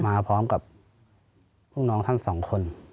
มาพร้อมกับลูกน้องทั้งสองคน